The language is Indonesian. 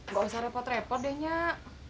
gak usah repot repot deh nyak